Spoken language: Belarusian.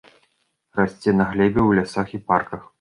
Расце на глебе ў лясах і парках.